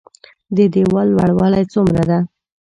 د ديوال لوړوالی څومره ده؟